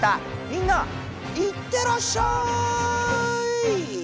みんないってらっしゃい！